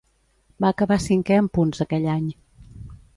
Va acabar cinquè en punts aquell any.